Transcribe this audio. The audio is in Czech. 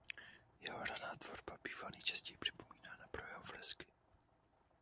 Jeho raná tvorba bývá nejčastěji připomínána pro jeho fresky.